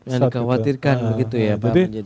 yang dikhawatirkan begitu ya pak